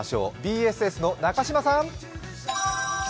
ＢＳＳの中島さん。